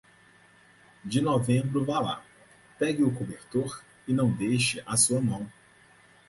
De novembro vá lá, pegue o cobertor e não deixe a sua mão.